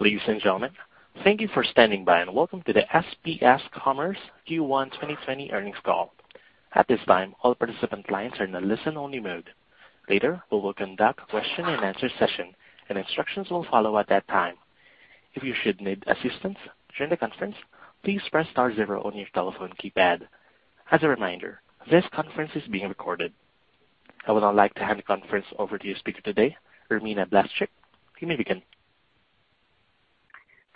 Ladies and gentlemen, thank you for standing by, and welcome to the SPS Commerce Q1 2020 earnings call. At this time, all participant lines are in a listen-only mode. Later, we will conduct a question and answer session, and instructions will follow at that time. If you should need assistance during the conference, please press star zero on your telephone keypad. As a reminder, this conference is being recorded. I would now like to hand the conference over to your speaker today, Irmina Blaszczyk. You may begin.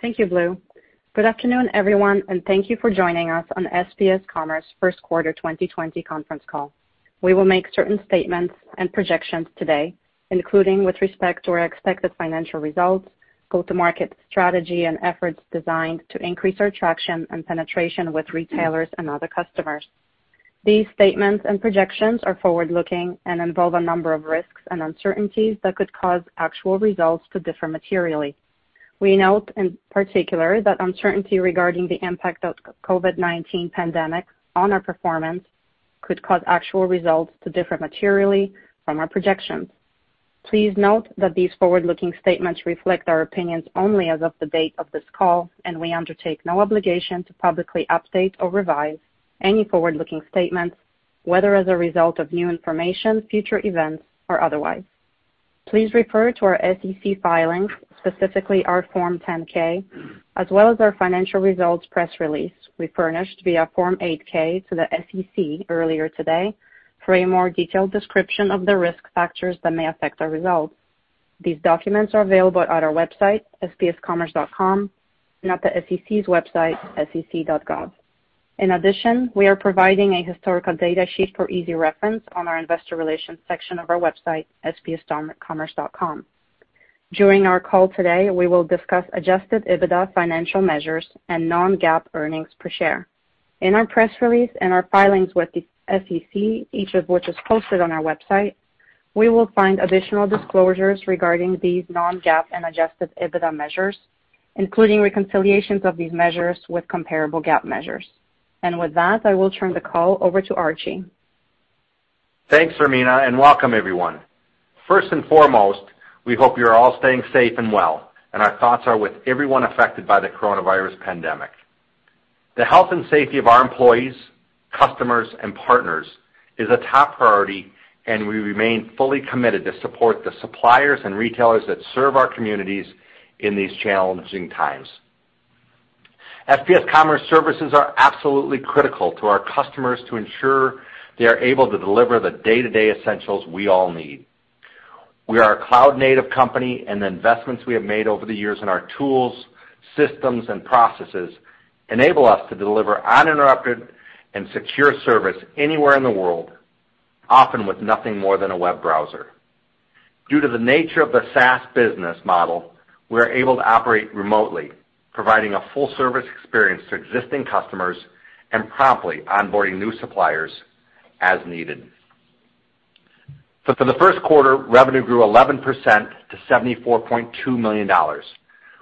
Thank you, Blue. Good afternoon, everyone, and thank you for joining us on SPS Commerce first quarter 2020 conference call. We will make certain statements and projections today, including with respect to our expected financial results, go-to-market strategy, and efforts designed to increase our traction and penetration with retailers and other customers. These statements and projections are forward-looking and involve a number of risks and uncertainties that could cause actual results to differ materially. We note, in particular, that uncertainty regarding the impact of COVID-19 pandemic on our performance could cause actual results to differ materially from our projections. Please note that these forward-looking statements reflect our opinions only as of the date of this call, and we undertake no obligation to publicly update or revise any forward-looking statements, whether as a result of new information, future events, or otherwise. Please refer to our SEC filings, specifically our Form 10-K, as well as our financial results press release we furnished via Form 8-K to the SEC earlier today for a more detailed description of the risk factors that may affect our results. These documents are available at our website, spscommerce.com, and at the SEC's website, sec.gov. In addition, we are providing a historical data sheet for easy reference on our investor relations section of our website, spscommerce.com. During our call today, we will discuss adjusted EBITDA financial measures and non-GAAP earnings per share. In our press release and our filings with the SEC, each of which is posted on our website, we will find additional disclosures regarding these non-GAAP and adjusted EBITDA measures, including reconciliations of these measures with comparable GAAP measures. With that, I will turn the call over to Archie. Thanks, Irmina, and welcome everyone. First and foremost, we hope you're all staying safe and well, and our thoughts are with everyone affected by the coronavirus pandemic. The health and safety of our employees, customers, and partners is a top priority, and we remain fully committed to support the suppliers and retailers that serve our communities in these challenging times. SPS Commerce services are absolutely critical to our customers to ensure they are able to deliver the day-to-day essentials we all need. We are a cloud-native company, and the investments we have made over the years in our tools, systems, and processes enable us to deliver uninterrupted and secure service anywhere in the world, often with nothing more than a web browser. Due to the nature of the SaaS business model, we're able to operate remotely, providing a full-service experience to existing customers and promptly onboarding new suppliers as needed. For the first quarter, revenue grew 11% to $74.2 million.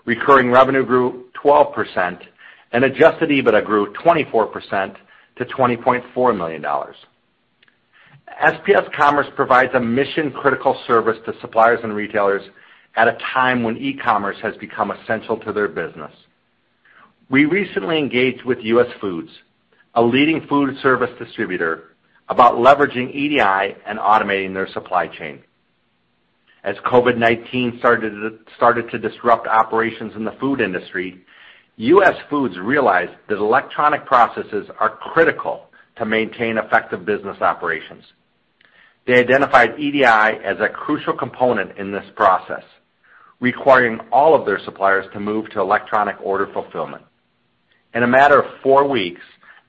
Recurring revenue grew 12%, and adjusted EBITDA grew 24% to $20.4 million. SPS Commerce provides a mission-critical service to suppliers and retailers at a time when e-commerce has become essential to their business. We recently engaged with US Foods, a leading food service distributor, about leveraging EDI and automating their supply chain. As COVID-19 started to disrupt operations in the food industry, US Foods realized that electronic processes are critical to maintain effective business operations. They identified EDI as a crucial component in this process, requiring all of their suppliers to move to electronic order fulfillment. In a matter of four weeks,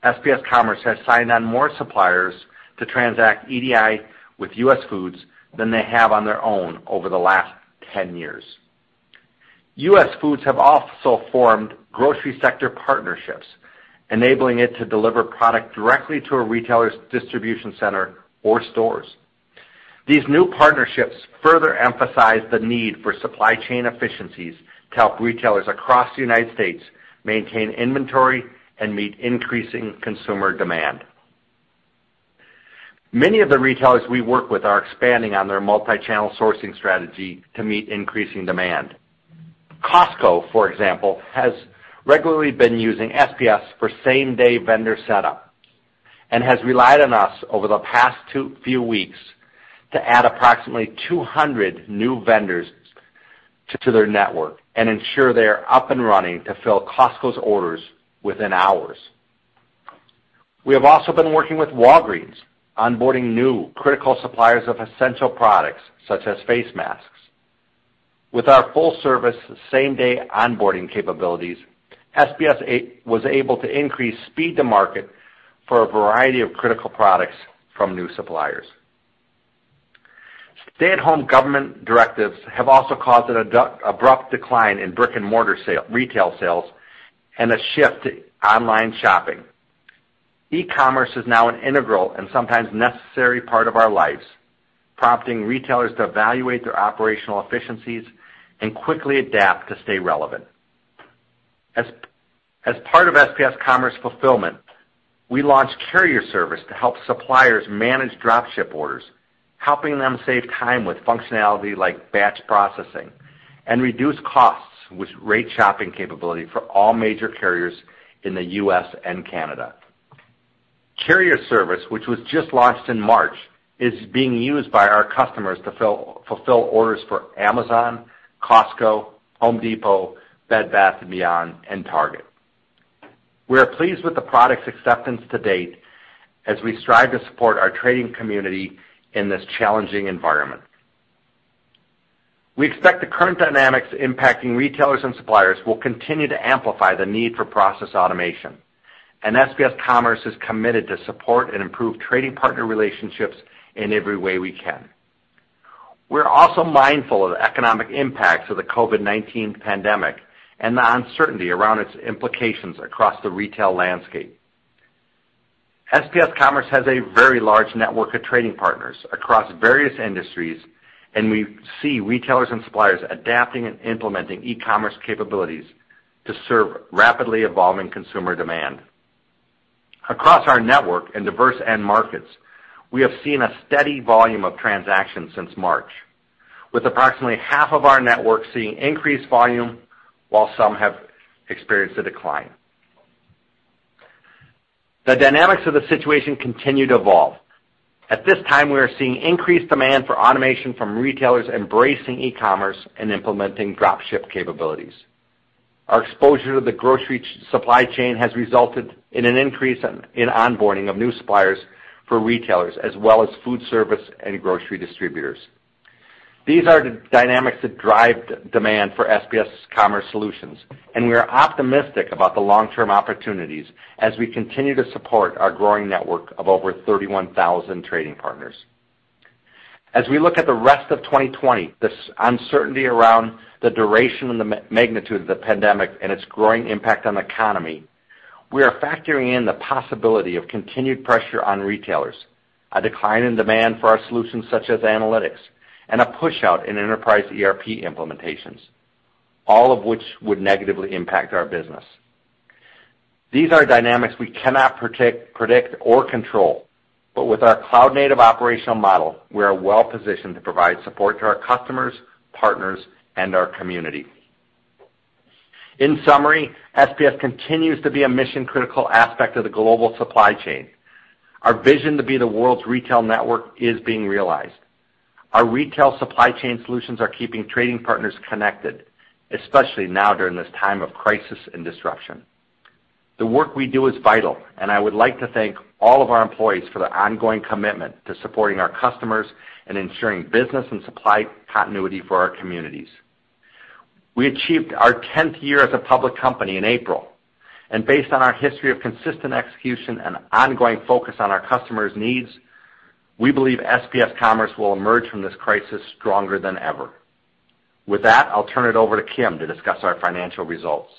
SPS Commerce has signed on more suppliers to transact EDI with US Foods than they have on their own over the last 10 years. US Foods have also formed grocery sector partnerships, enabling it to deliver product directly to a retailer's distribution center or stores. These new partnerships further emphasize the need for supply chain efficiencies to help retailers across the U.S. maintain inventory and meet increasing consumer demand. Many of the retailers we work with are expanding on their multi-channel sourcing strategy to meet increasing demand. Costco, for example, has regularly been using SPS for same-day vendor setup and has relied on us over the past few weeks to add approximately 200 new vendors to their network and ensure they are up and running to fill Costco's orders within hours. We have also been working with Walgreens, onboarding new critical suppliers of essential products, such as face masks. With our full-service, same-day onboarding capabilities, SPS was able to increase speed to market for a variety of critical products from new suppliers. Stay-at-home government directives have also caused an abrupt decline in brick-and-mortar retail sales and a shift to online shopping. E-commerce is now an integral and sometimes necessary part of our lives, prompting retailers to evaluate their operational efficiencies and quickly adapt to stay relevant. As part of SPS Commerce Fulfillment, we launched Carrier Service to help suppliers manage drop ship orders, helping them save time with functionality like batch processing and reduce costs with rate shopping capability for all major carriers in the U.S. and Canada. Carrier Service, which was just launched in March, is being used by our customers to fulfill orders for Amazon, Costco, The Home Depot, Bed Bath & Beyond, and Target. We are pleased with the product's acceptance to date as we strive to support our trading community in this challenging environment. We expect the current dynamics impacting retailers and suppliers will continue to amplify the need for process automation. SPS Commerce is committed to support and improve trading partner relationships in every way we can. We're also mindful of the economic impacts of the COVID-19 pandemic and the uncertainty around its implications across the retail landscape. SPS Commerce has a very large network of trading partners across various industries, and we see retailers and suppliers adapting and implementing e-commerce capabilities to serve rapidly evolving consumer demand. Across our network and diverse end markets, we have seen a steady volume of transactions since March, with approximately half of our network seeing increased volume while some have experienced a decline. The dynamics of the situation continue to evolve. At this time, we are seeing increased demand for automation from retailers embracing e-commerce and implementing drop ship capabilities. Our exposure to the grocery supply chain has resulted in an increase in onboarding of new suppliers for retailers as well as food service and grocery distributors. These are the dynamics that drive demand for SPS Commerce solutions, and we are optimistic about the long-term opportunities as we continue to support our growing network of over 31,000 trading partners. As we look at the rest of 2020, this uncertainty around the duration and the magnitude of the pandemic and its growing impact on the economy, we are factoring in the possibility of continued pressure on retailers, a decline in demand for our solutions such as Analytics, and a push-out in enterprise ERP implementations, all of which would negatively impact our business. These are dynamics we cannot predict or control, but with our cloud-native operational model, we are well-positioned to provide support to our customers, partners, and our Community. In summary, SPS continues to be a mission-critical aspect of the global supply chain. Our vision to be the world's retail network is being realized. Our retail supply chain solutions are keeping trading partners connected, especially now during this time of crisis and disruption. The work we do is vital, and I would like to thank all of our employees for their ongoing commitment to supporting our customers and ensuring business and supply continuity for our communities. We achieved our 10th year as a public company in April. Based on our history of consistent execution and ongoing focus on our customers' needs, we believe SPS Commerce will emerge from this crisis stronger than ever. With that, I'll turn it over to Kim to discuss our financial results.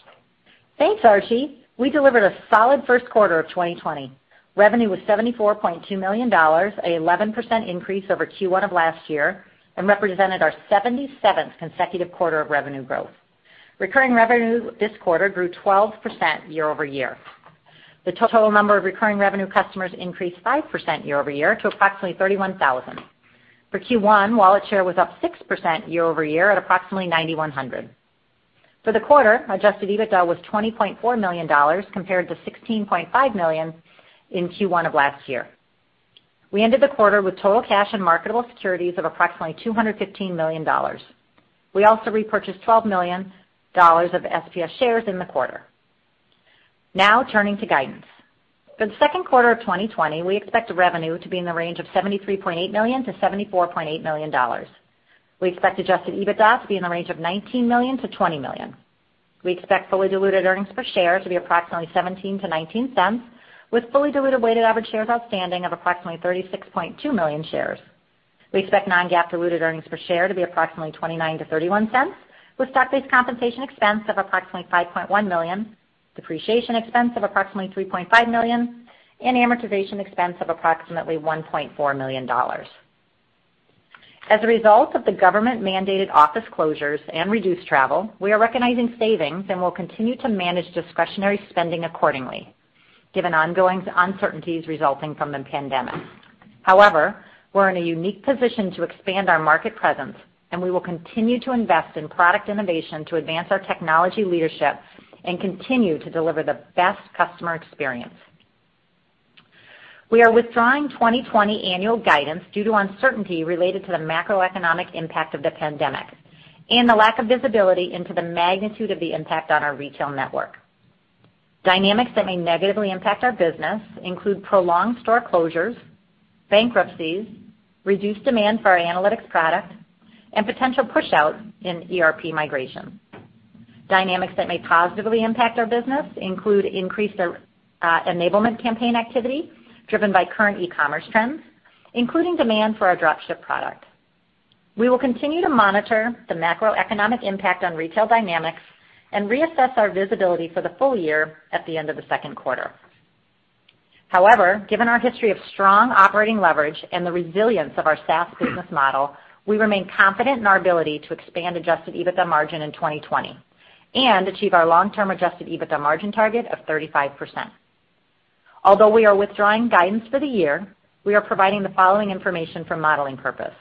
Thanks, Archie. We delivered a solid first quarter of 2020. Revenue was $74.2 million, an 11% increase over Q1 of last year, and represented our 77th consecutive quarter of revenue growth. Recurring revenue this quarter grew 12% year-over-year. The total number of recurring revenue customers increased 5% year-over-year to approximately 31,000. For Q1, wallet share was up 6% year-over-year at approximately 9,100. For the quarter, adjusted EBITDA was $20.4 million compared to $16.5 million in Q1 of last year. We ended the quarter with total cash and marketable securities of approximately $215 million. We also repurchased $12 million of SPS shares in the quarter. Now turning to guidance. For the second quarter of 2020, we expect revenue to be in the range of $73.8 million to $74.8 million. We expect adjusted EBITDA to be in the range of $19 million to $20 million. We expect fully diluted earnings per share to be approximately $0.17 to $0.19, with fully diluted weighted average shares outstanding of approximately 36.2 million shares. We expect non-GAAP diluted earnings per share to be approximately $0.29 to $0.31, with stock-based compensation expense of approximately $5.1 million, depreciation expense of approximately $3.5 million, and amortization expense of approximately $1.4 million. As a result of the government-mandated office closures and reduced travel, we are recognizing savings and will continue to manage discretionary spending accordingly, given ongoing uncertainties resulting from the pandemic. However, we're in a unique position to expand our market presence, and we will continue to invest in product innovation to advance our technology leadership and continue to deliver the best customer experience. We are withdrawing 2020 annual guidance due to uncertainty related to the macroeconomic impact of the pandemic and the lack of visibility into the magnitude of the impact on our retail network. Dynamics that may negatively impact our business include prolonged store closures, bankruptcies, reduced demand for our Analytics product, and potential pushout in ERP migration. Dynamics that may positively impact our business include increased enablement campaign activity driven by current e-commerce trends, including demand for our drop ship product. We will continue to monitor the macroeconomic impact on retail dynamics and reassess our visibility for the full year at the end of the second quarter. However, given our history of strong operating leverage and the resilience of our SaaS business model, we remain confident in our ability to expand adjusted EBITDA margin in 2020 and achieve our long-term adjusted EBITDA margin target of 35%. Although we are withdrawing guidance for the year, we are providing the following information for modeling purpose.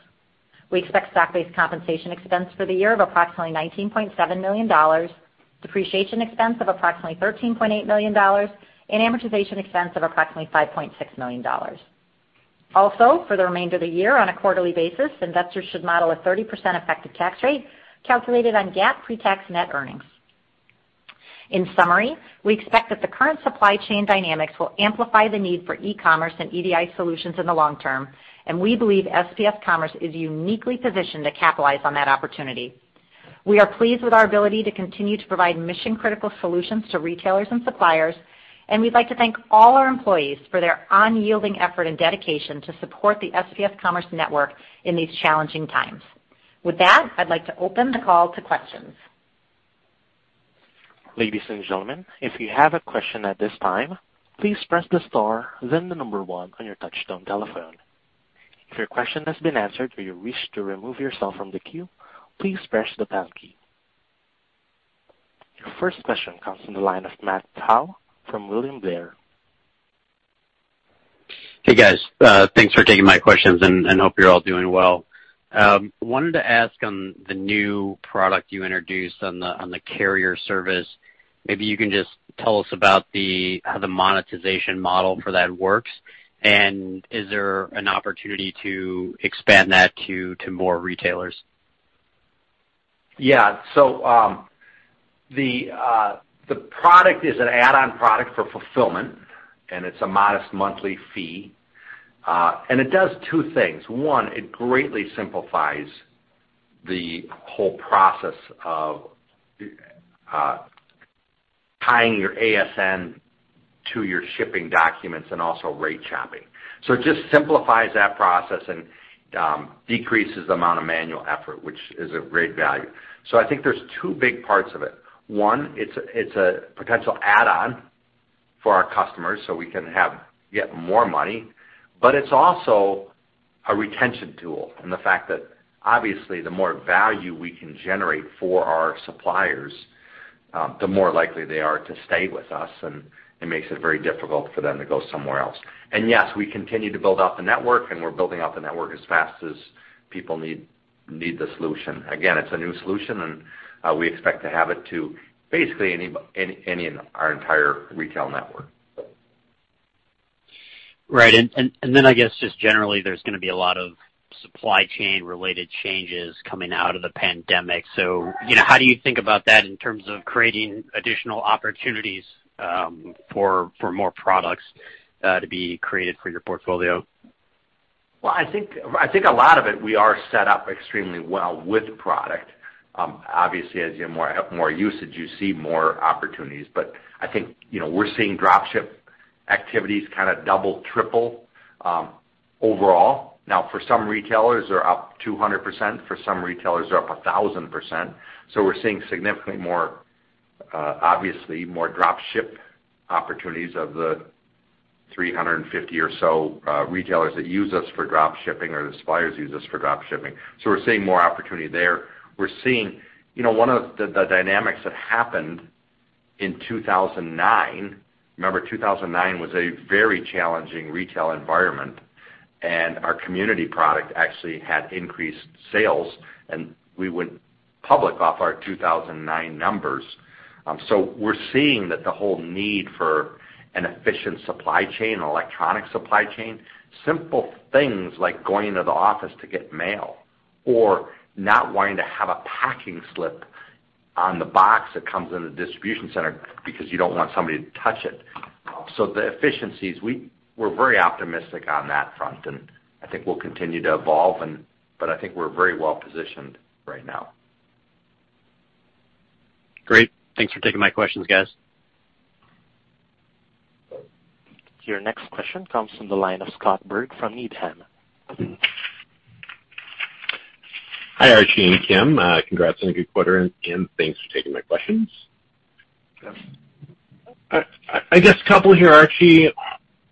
We expect stock-based compensation expense for the year of approximately $19.7 million, depreciation expense of approximately $13.8 million, and amortization expense of approximately $5.6 million. Also, for the remainder of the year on a quarterly basis, investors should model a 30% effective tax rate calculated on GAAP pre-tax net earnings. In summary, we expect that the current supply chain dynamics will amplify the need for e-commerce and EDI solutions in the long term, and we believe SPS Commerce is uniquely positioned to capitalize on that opportunity. We are pleased with our ability to continue to provide mission-critical solutions to retailers and suppliers, and we'd like to thank all our employees for their unyielding effort and dedication to support the SPS Commerce network in these challenging times. With that, I'd like to open the call to questions. Ladies and gentlemen, if you have a question at this time, please press the star then the number one on your touchtone telephone. If your question has been answered or you wish to remove yourself from the queue, please press the pound key. Your first question comes from the line of Matthew Tow from William Blair. Hey, guys. Thanks for taking my questions, and hope you're all doing well. Wanted to ask on the new product you introduced on the Carrier Service. Maybe you can just tell us about how the monetization model for that works. Is there an opportunity to expand that to more retailers? Yeah. The product is an add-on product for Fulfillment, and it's a modest monthly fee. It does two things. One, it greatly simplifies the whole process of tying your ASN to your shipping documents and also rate shopping. It just simplifies that process and decreases the amount of manual effort, which is of great value. I think there's two big parts of it. One, it's a potential add-on for our customers so we can get more money, but it's also a retention tool in the fact that obviously the more value we can generate for our suppliers, the more likely they are to stay with us, and it makes it very difficult for them to go somewhere else. Yes, we continue to build out the network, and we're building out the network as fast as people need the solution. Again, it's a new solution. We expect to have it to basically any in our entire retail network. Right. I guess just generally there's going to be a lot of supply chain related changes coming out of the pandemic. How do you think about that in terms of creating additional opportunities for more products to be created for your portfolio? I think a lot of it, we are set up extremely well with product. Obviously as you have more usage, you see more opportunities. I think we're seeing drop ship activities kind of double, triple overall. For some retailers, they're up 200%. For some retailers, they're up 1,000%. We're seeing significantly obviously more drop ship opportunities of the 350 or so retailers that use us for drop shipping or the suppliers use us for drop shipping. We're seeing more opportunity there. One of the dynamics that happened in 2009, remember 2009 was a very challenging retail environment, and our Community product actually had increased sales, and we went public off our 2009 numbers. We're seeing that the whole need for an efficient supply chain, electronic supply chain, simple things like going into the office to get mail or not wanting to have a packing slip on the box that comes in the distribution center because you don't want somebody to touch it. The efficiencies, we're very optimistic on that front, I think we'll continue to evolve, I think we're very well positioned right now. Great. Thanks for taking my questions, guys. Your next question comes from the line of Scott Burt from Needham. Hi, Archie and Kim. Congrats on a good quarter, thanks for taking my questions. Yes. I guess a couple here, Archie.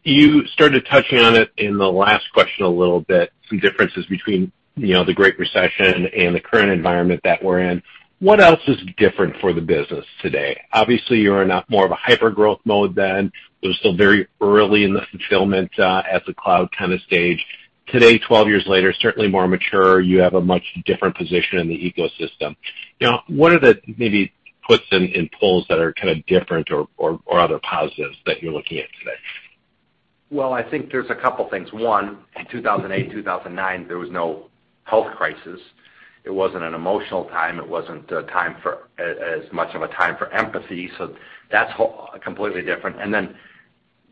You started touching on it in the last question a little bit, some differences between the Great Recession and the current environment that we're in. What else is different for the business today? Obviously, you're in a more of a hyper-growth mode then. It was still very early in the Fulfillment as a cloud kind of stage. Today, 12 years later, certainly more mature. You have a much different position in the ecosystem. What are the maybe puts and pulls that are kind of different or other positives that you're looking at today? I think there's a couple things. One, in 2008, 2009, there was no health crisis. It wasn't an emotional time. It wasn't as much of a time for empathy. That's completely different. Then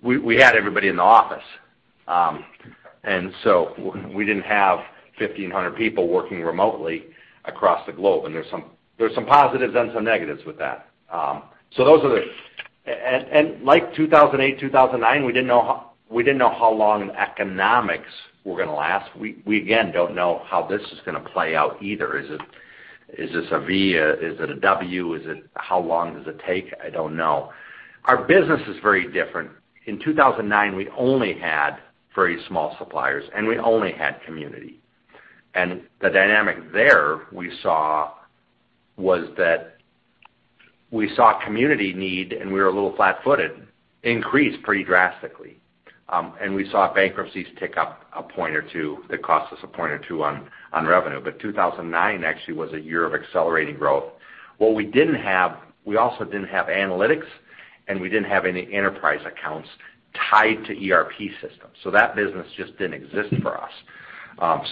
we had everybody in the office. So we didn't have 1,500 people working remotely across the globe, there's some positives and some negatives with that. Like 2008, 2009, we didn't know how long economics were going to last. We again don't know how this is going to play out either. Is this a V? Is it a W? How long does it take? I don't know. Our business is very different. In 2009, we only had very small suppliers, and we only had Community. The dynamic there we saw was that we saw Community need, we were a little flat-footed, increase pretty drastically. We saw bankruptcies tick up a point or two. That cost us a point or two on revenue. 2009 actually was a year of accelerating growth. What we didn't have, we also didn't have Analytics, and we didn't have any enterprise accounts tied to ERP systems. That business just didn't exist for us.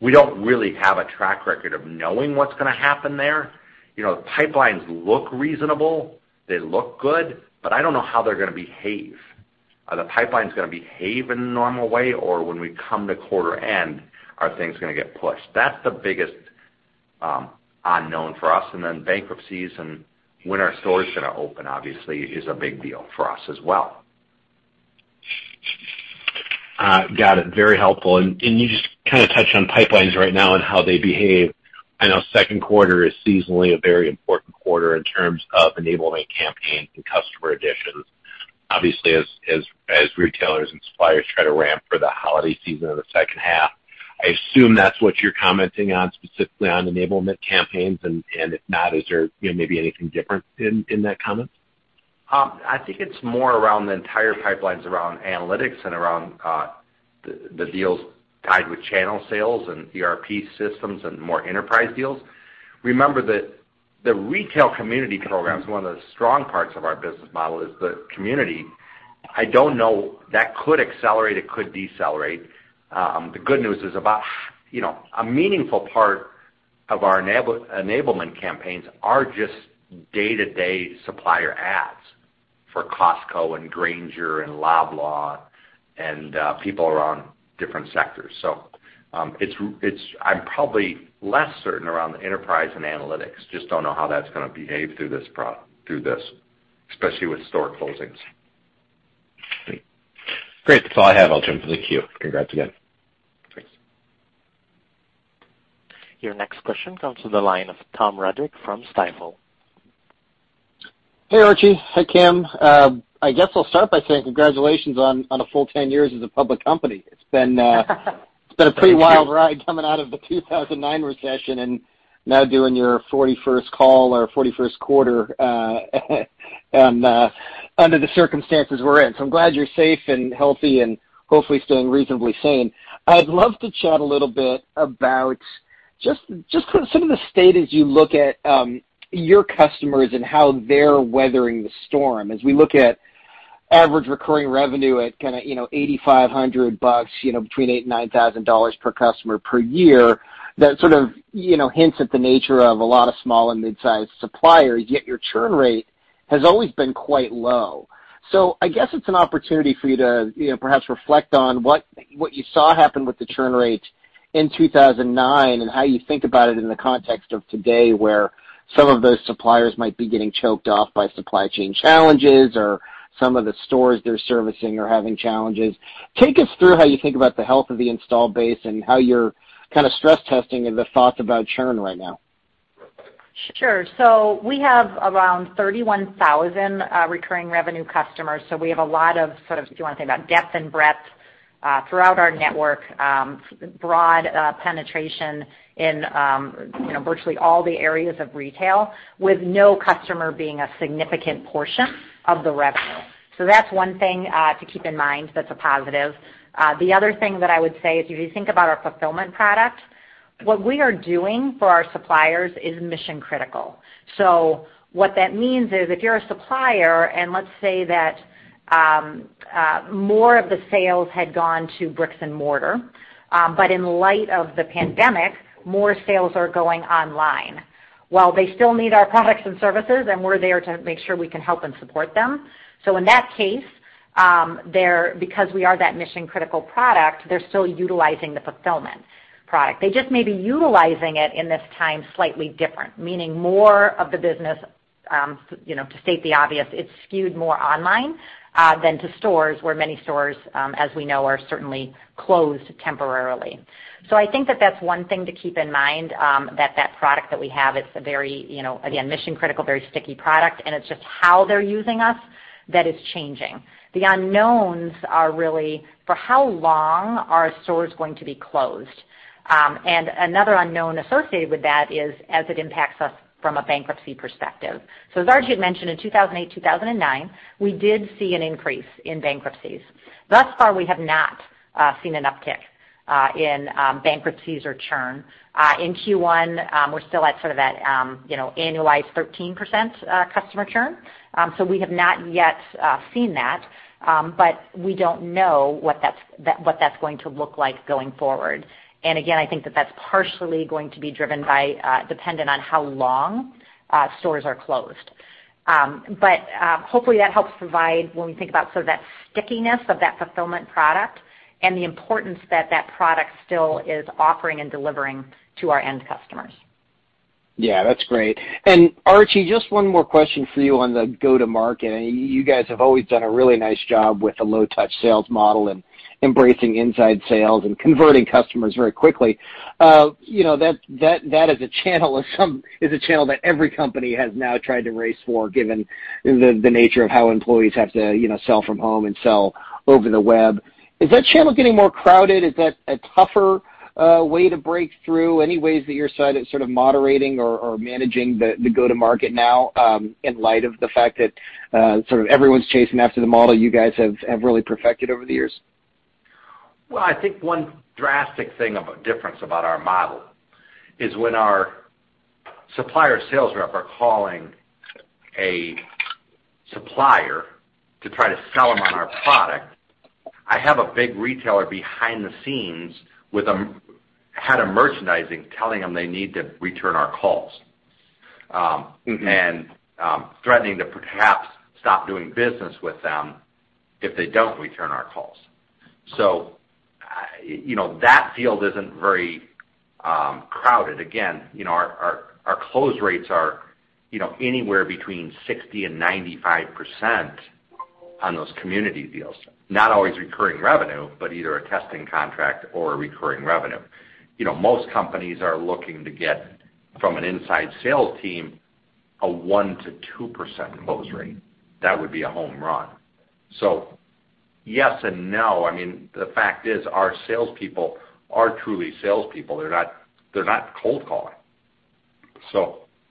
We don't really have a track record of knowing what's going to happen there. The pipelines look reasonable, they look good, I don't know how they're going to behave. Are the pipelines going to behave in a normal way, or when we come to quarter end, are things going to get pushed? That's the biggest unknown for us, bankruptcies and when are stores going to open, obviously, is a big deal for us as well. Got it. Very helpful. You just touched on pipelines right now and how they behave. I know second quarter is seasonally a very important quarter in terms of enablement campaigns and customer additions. Obviously, as retailers and suppliers try to ramp for the holiday season in the second half, I assume that's what you're commenting on, specifically on enablement campaigns. If not, is there maybe anything different in that comment? I think it's more around the entire pipelines around Analytics and around the deals tied with channel sales and ERP systems and more enterprise deals. Remember that the retail Community program is one of the strong parts of our business model, is the Community. I don't know, that could accelerate, it could decelerate. The good news is about a meaningful part of our enablement campaigns are just day-to-day supplier ads for Costco and Grainger and Loblaw and people around different sectors. I'm probably less certain around the enterprise and Analytics. Just don't know how that's going to behave through this, especially with store closings. Great. That's all I have. I'll jump to the queue. Congrats again. Thanks. Your next question comes to the line of Tom Roderick from Stifel. Hey, Archie. Hey, Kim. I guess I'll start by saying congratulations on a full 10 years as a public company. It's been a pretty wild ride coming out of the 2009 recession and now doing your 41st call or 41st quarter under the circumstances we're in. I'm glad you're safe and healthy and hopefully staying reasonably sane. I'd love to chat a little bit about just some of the state as you look at your customers and how they're weathering the storm. As we look at average recurring revenue at kind of $8,500, between $8,000 and $9,000 per customer per year, that sort of hints at the nature of a lot of small and midsize suppliers, yet your churn rate has always been quite low. I guess it's an opportunity for you to perhaps reflect on what you saw happen with the churn rate in 2009 and how you think about it in the context of today, where some of those suppliers might be getting choked off by supply chain challenges or some of the stores they're servicing are having challenges. Take us through how you think about the health of the installed base and how you're kind of stress testing and the thoughts about churn right now. Sure. We have around 31,000 recurring revenue customers. We have a lot of, sort of if you want to think about depth and breadth throughout our network, broad penetration in virtually all the areas of retail, with no customer being a significant portion of the revenue. That's one thing to keep in mind that's a positive. The other thing that I would say is if you think about our Fulfillment product, what we are doing for our suppliers is mission-critical. What that means is if you're a supplier, and let's say that more of the sales had gone to bricks and mortar, but in light of the pandemic, more sales are going online. Well, they still need our products and services, and we're there to make sure we can help and support them. In that case, because we are that mission-critical product, they're still utilizing the Fulfillment product. They just may be utilizing it in this time slightly different, meaning more of the business, to state the obvious, it's skewed more online than to stores where many stores, as we know, are certainly closed temporarily. I think that that's one thing to keep in mind, that that product that we have, it's a very, again, mission-critical, very sticky product, and it's just how they're using us that is changing. The unknowns are really for how long are stores going to be closed. Another unknown associated with that is as it impacts us from a bankruptcy perspective. As Archie had mentioned, in 2008, 2009, we did see an increase in bankruptcies. Thus far, we have not seen an uptick in bankruptcies or churn. In Q1, we're still at sort of that annualized 13% customer churn. We have not yet seen that, but we don't know what that's going to look like going forward. Again, I think that that's partially going to be driven by dependent on how long stores are closed. Hopefully, that helps provide when we think about sort of that stickiness of that Fulfillment product and the importance that that product still is offering and delivering to our end customers. Yeah, that's great. Archie, just one more question for you on the go-to-market. You guys have always done a really nice job with a low touch sales model and embracing inside sales and converting customers very quickly. That is a channel that every company has now tried to race for, given the nature of how employees have to sell from home and sell over the web. Is that channel getting more crowded? Is that a tougher way to break through? Any ways that your side is sort of moderating or managing the go-to-market now, in light of the fact that sort of everyone's chasing after the model you guys have really perfected over the years? Well, I think one drastic thing of difference about our model is when our supplier sales rep are calling a supplier to try to sell them on our product, I have a big retailer behind the scenes with a head of merchandising telling them they need to return our calls, and threatening to perhaps stop doing business with them if they don't return our calls. That field isn't very crowded. Again, our close rates are anywhere between 60%-95% on those Community deals. Not always recurring revenue, but either a testing contract or a recurring revenue. Most companies are looking to get, from an inside sales team, a 1%-2% close rate. That would be a home run. Yes and no. I mean, the fact is our salespeople are truly salespeople. They're not cold calling.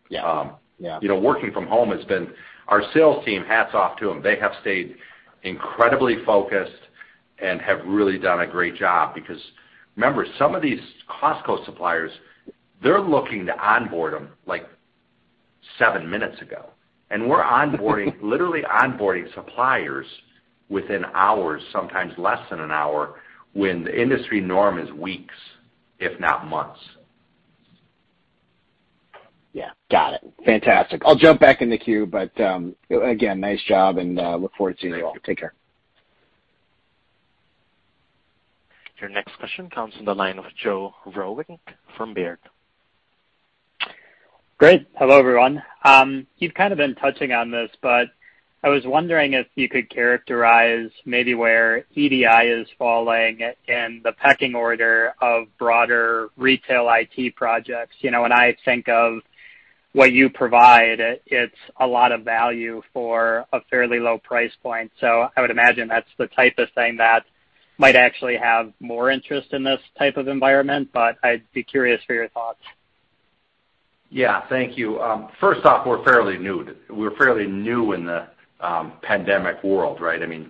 Yeah. Working from home has been. Our sales team, hats off to them. They have stayed incredibly focused and have really done a great job because remember, some of these Costco suppliers, they're looking to onboard them like seven minutes ago. We're literally onboarding suppliers within hours, sometimes less than an hour, when the industry norm is weeks, if not months. Yeah. Got it. Fantastic. I'll jump back in the queue, again, nice job and look forward to seeing you all. Take care. Your next question comes from the line of Joe Vruwink from Baird. Great. Hello, everyone. You've kind of been touching on this, I was wondering if you could characterize maybe where EDI is falling in the pecking order of broader retail IT projects. When I think of what you provide, it's a lot of value for a fairly low price point. I would imagine that's the type of thing that might actually have more interest in this type of environment. I'd be curious for your thoughts. Yeah. Thank you. First off, we're fairly new. We're fairly new in the pandemic world, right? I mean,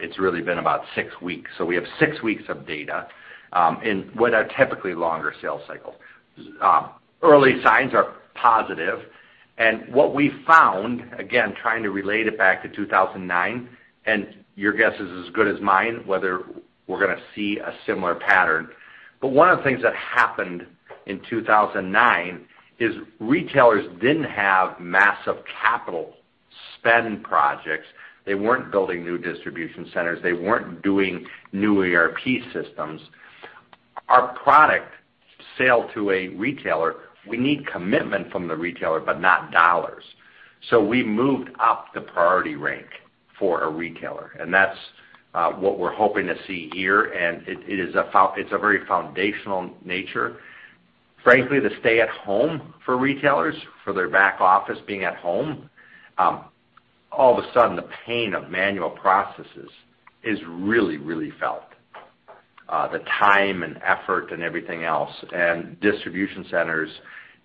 it's really been about six weeks. We have six weeks of data, in what are typically longer sales cycles. Early signs are positive, what we found, again, trying to relate it back to 2009, your guess is as good as mine, whether we're going to see a similar pattern. One of the things that happened in 2009 is retailers didn't have massive capital spend projects. They weren't building new distribution centers. They weren't doing new ERP systems. Our product sale to a retailer, we need commitment from the retailer, but not dollars. We moved up the priority rank for a retailer, that's what we're hoping to see here, it's a very foundational nature. Frankly, the stay-at-home for retailers, for their back office being at home, all of a sudden, the pain of manual processes is really felt. The time and effort and everything else, distribution centers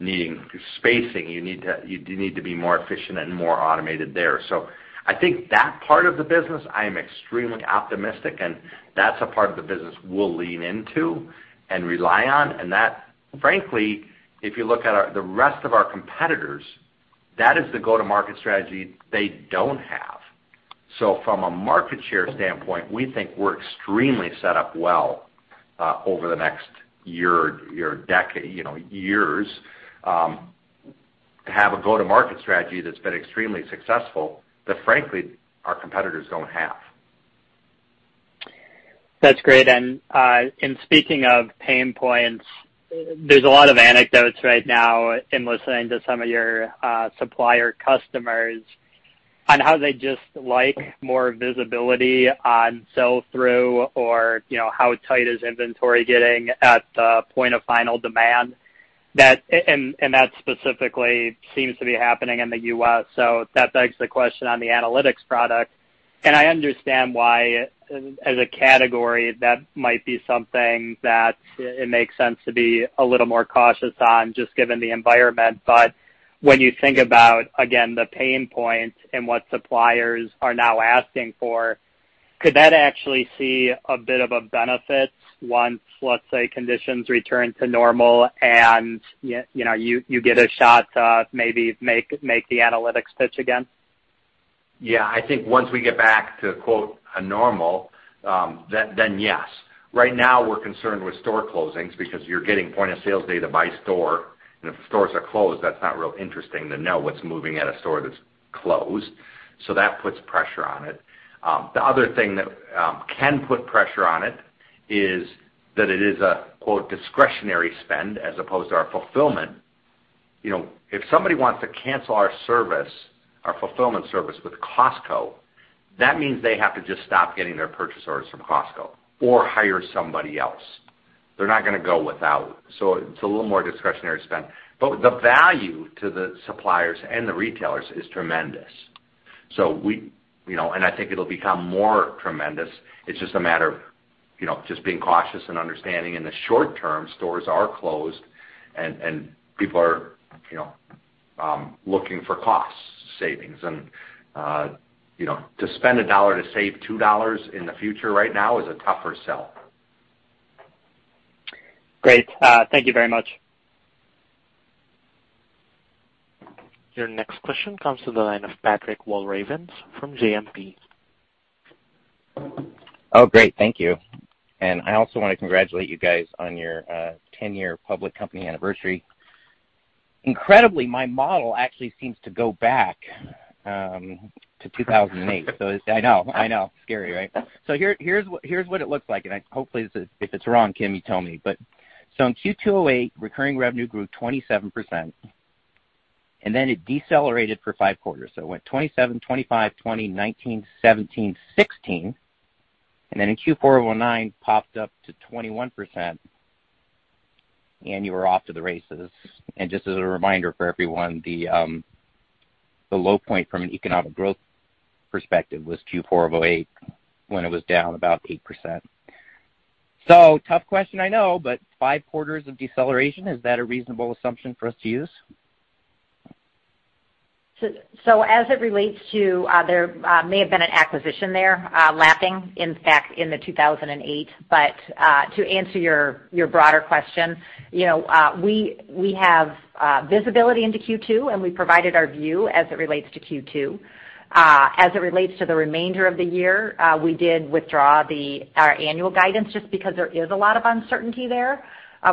needing spacing. You need to be more efficient and more automated there. I think that part of the business, I am extremely optimistic, that's a part of the business we'll lean into and rely on, that, frankly, if you look at the rest of our competitors, that is the go-to-market strategy they don't have. From a market share standpoint, we think we're extremely set up well, over the next year or years, to have a go-to-market strategy that's been extremely successful that frankly, our competitors don't have. That's great. Speaking of pain points, there's a lot of anecdotes right now in listening to some of your supplier customers on how they'd just like more visibility on sell-through or how tight is inventory getting at the point of final demand, that specifically seems to be happening in the U.S. That begs the question on the Analytics product, I understand why, as a category, that might be something that it makes sense to be a little more cautious on, just given the environment. When you think about, again, the pain points and what suppliers are now asking for, could that actually see a bit of a benefit once, let's say, conditions return to normal and you get a shot to maybe make the Analytics pitch again? Yeah. I think once we get back to quote "a normal," yes. Right now we're concerned with store closings because you're getting point-of-sales data by store, if stores are closed, that's not real interesting to know what's moving at a store that's closed. That puts pressure on it. The other thing that can put pressure on it is that it is a, quote, "discretionary spend" as opposed to our Fulfillment. If somebody wants to cancel our service, our Fulfillment service with Costco, that means they have to just stop getting their purchase orders from Costco or hire somebody else. They're not going to go without. It's a little more discretionary spend. The value to the suppliers and the retailers is tremendous. I think it'll become more tremendous, it's just a matter of just being cautious and understanding in the short term, stores are closed, and people are looking for cost savings, and to spend $1 to save $2 in the future right now is a tougher sell. Great. Thank you very much. Your next question comes to the line of Patrick Walravens from JMP. Oh, great. Thank you. I also want to congratulate you guys on your 10-year public company anniversary. Incredibly, my model actually seems to go back to 2008. It's-- I know. I know. Scary, right? Here's what it looks like, and hopefully, if it's wrong, Kim, you tell me. In Q2 2008, recurring revenue grew 27%, and then it decelerated for five quarters. It went 27, 25, 20, 19, 17, 16. Then in Q4 of 2009, popped up to 21%, and you were off to the races. Just as a reminder for everyone, the low point from an economic growth perspective was Q4 of 2008, when it was down about 8%. Tough question, I know, but five quarters of deceleration, is that a reasonable assumption for us to use? As it relates to, there may have been an acquisition there, lapping, in fact, in 2008. To answer your broader question, we have visibility into Q2, and we provided our view as it relates to Q2. As it relates to the remainder of the year, we did withdraw our annual guidance just because there is a lot of uncertainty there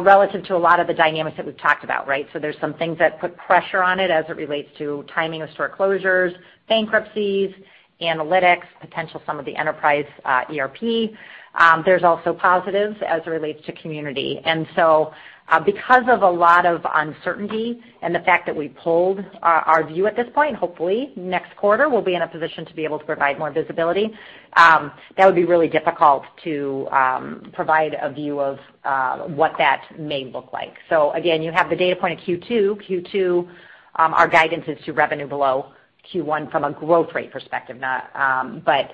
relative to a lot of the dynamics that we've talked about, right? There's some things that put pressure on it as it relates to timing of store closures, bankruptcies, Analytics, potential some of the enterprise ERP. There's also positives as it relates to Community. Because of a lot of uncertainty and the fact that we pulled our view at this point, hopefully next quarter we'll be in a position to be able to provide more visibility. That would be really difficult to provide a view of what that may look like. Again, you have the data point of Q2. Q2, our guidance is to revenue below Q1 from a growth rate perspective. That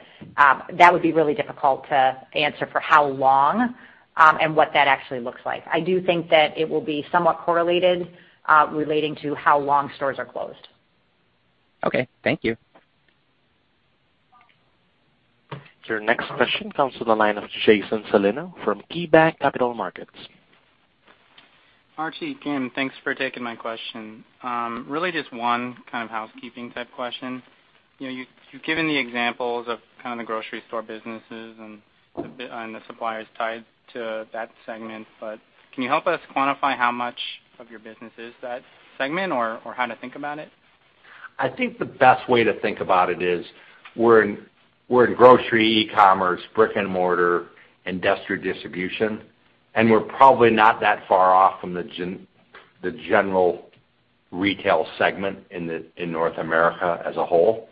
would be really difficult to answer for how long and what that actually looks like. I do think that it will be somewhat correlated relating to how long stores are closed. Okay. Thank you. Your next question comes to the line of Jason Celino from KeyBanc Capital Markets. Archie, Kim, thanks for taking my question. Really just one kind of housekeeping type question. You've given the examples of kind of the grocery store businesses and the suppliers tied to that segment, can you help us quantify how much of your business is that segment or how to think about it? I think the best way to think about it is we're in grocery, e-commerce, brick and mortar, industrial distribution, and we're probably not that far off from the general retail segment in North America as a whole.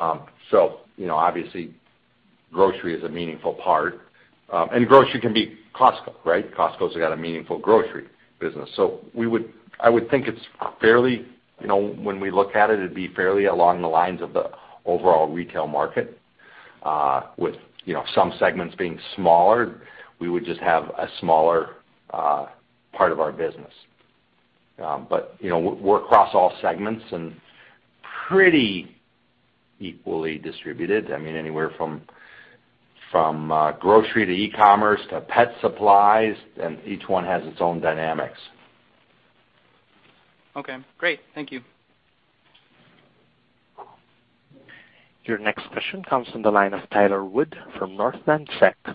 Obviously grocery is a meaningful part, and grocery can be Costco, right? Costco's got a meaningful grocery business. I would think when we look at it'd be fairly along the lines of the overall retail market. With some segments being smaller, we would just have a smaller part of our business. We're across all segments and pretty equally distributed. I mean, anywhere from grocery to e-commerce to pet supplies, and each one has its own dynamics. Okay, great. Thank you. Your next question comes from the line of Tyler Wood from Northland Securities.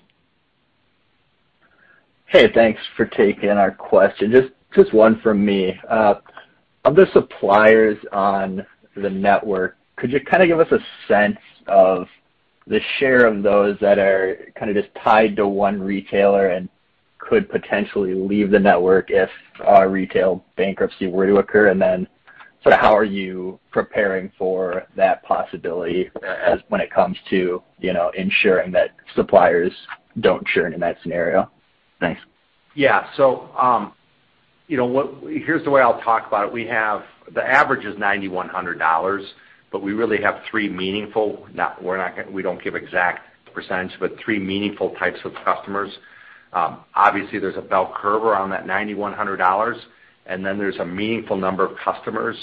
Hey, thanks for taking our question. Just one from me. Of the suppliers on the network, could you kind of give us a sense of the share of those that are kind of just tied to one retailer and could potentially leave the network if a retail bankruptcy were to occur? How are you preparing for that possibility as when it comes to ensuring that suppliers don't churn in that scenario? Thanks. Yeah. Here's the way I'll talk about it. The average is $9,100. We really have 3 meaningful, we don't give exact percentage, but 3 meaningful types of customers. Obviously there's a bell curve around that $9,100. There's a meaningful number of customers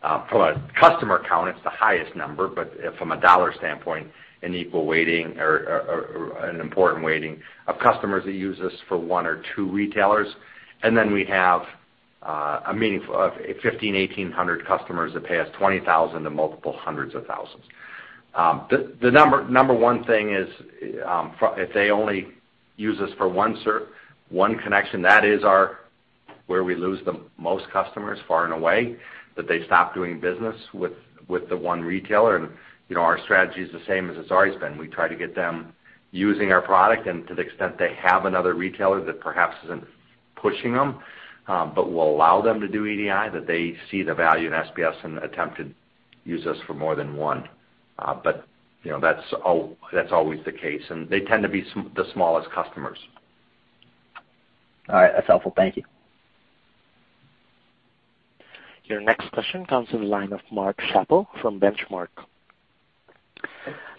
from a customer count, it's the highest number, but from a dollar standpoint, an equal weighting or an important weighting of customers that use us for one or two retailers. We have a meaningful 1,500, 1,800 customers that pay us $20,000 to multiple hundreds of thousands. The number 1 thing is if they only use us for one connection, that is where we lose the most customers far and away, that they stop doing business with the one retailer. Our strategy is the same as it's always been. We try to get them using our product. To the extent they have another retailer that perhaps isn't pushing them but will allow them to do EDI, that they see the value in SPS and attempt to use us for more than one. That's always the case, and they tend to be the smallest customers. All right, that's helpful. Thank you. Your next question comes from the line of Mark Schappel from Benchmark.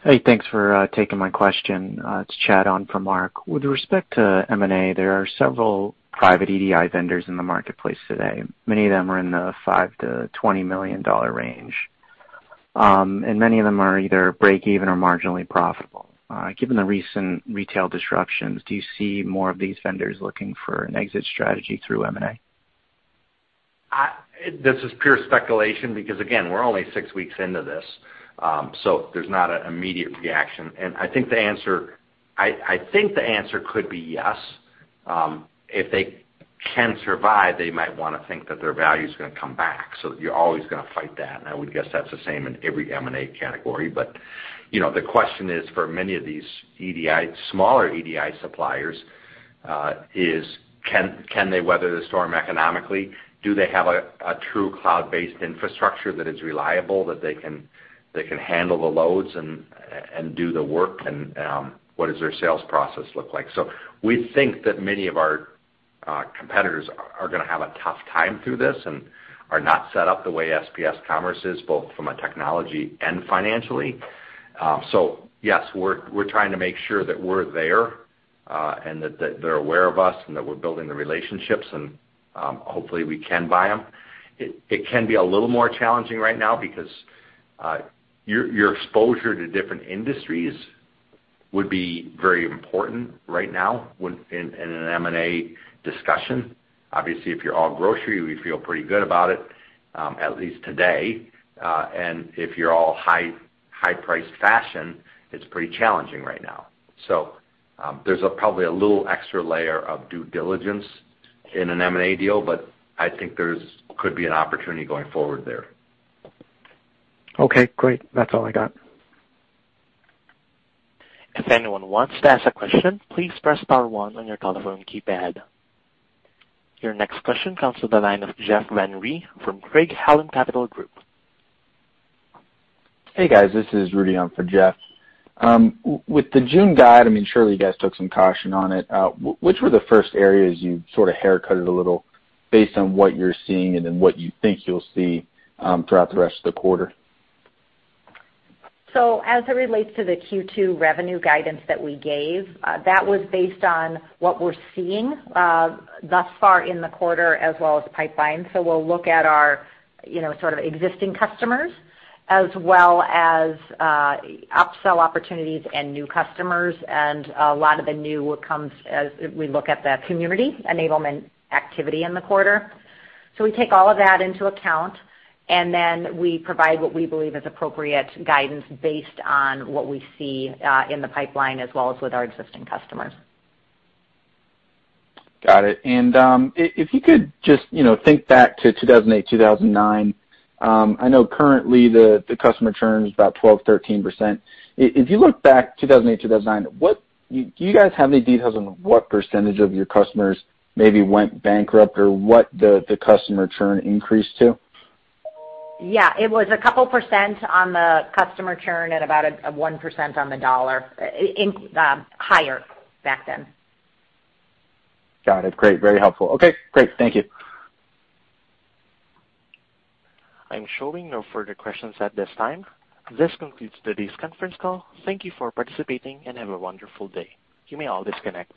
Hey, thanks for taking my question. It's Chad on for Mark. With respect to M&A, there are several private EDI vendors in the marketplace today. Many of them are in the $5 million-$20 million range. Many of them are either break-even or marginally profitable. Given the recent retail disruptions, do you see more of these vendors looking for an exit strategy through M&A? This is pure speculation because, again, we're only six weeks into this, so there's not an immediate reaction. I think the answer could be yes. If they can survive, they might want to think that their value's going to come back. You're always going to fight that, and I would guess that's the same in every M&A category. The question is for many of these smaller EDI suppliers, is can they weather the storm economically? Do they have a true cloud-based infrastructure that is reliable, that they can handle the loads and do the work? What does their sales process look like? We think that many of our competitors are going to have a tough time through this and are not set up the way SPS Commerce is, both from a technology and financially. Yes, we're trying to make sure that we're there, and that they're aware of us, and that we're building the relationships, and hopefully we can buy them. It can be a little more challenging right now because your exposure to different industries would be very important right now in an M&A discussion. Obviously, if you're all grocery, we feel pretty good about it, at least today. If you're all high-priced fashion, it's pretty challenging right now. There's probably a little extra layer of due diligence in an M&A deal, but I think there could be an opportunity going forward there. Okay, great. That's all I got. If anyone wants to ask a question, please press star one on your telephone keypad. Your next question comes to the line of Jeff Van Rhee from Craig-Hallum Capital Group. Hey, guys, this is Rudy on for Jeff. With the June guide, I mean, surely you guys took some caution on it. Which were the first areas you sort of haircutted a little based on what you're seeing and then what you think you'll see throughout the rest of the quarter? As it relates to the Q2 revenue guidance that we gave, that was based on what we're seeing thus far in the quarter as well as pipeline. We'll look at our sort of existing customers as well as upsell opportunities and new customers, and a lot of the new comes as we look at the Community enablement activity in the quarter. We take all of that into account, and then we provide what we believe is appropriate guidance based on what we see in the pipeline as well as with our existing customers. Got it. If you could just think back to 2008, 2009, I know currently the customer churn's about 12%-13%. If you look back 2008, 2009, do you guys have any details on what percentage of your customers maybe went bankrupt or what the customer churn increased to? Yeah. It was a couple percent on the customer churn and about a 1% on the dollar higher back then. Got it. Great. Very helpful. Okay, great. Thank you. I'm showing no further questions at this time. This concludes today's conference call. Thank you for participating and have a wonderful day. You may all disconnect.